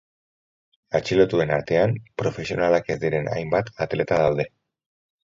Atxilotuen artean profesionalak ez diren hainbat atleta daude.